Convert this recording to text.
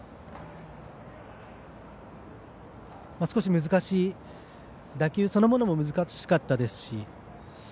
少し難しい打球そのものも難しかったですし。